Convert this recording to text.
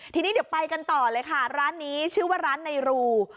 ทีนี้เดี๋ยวไปกันต่อเลยค่ะร้านนี้ชื่อว่าร้านในรู